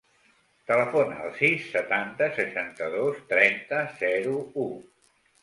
Telefona al sis, setanta, seixanta-dos, trenta, zero, u.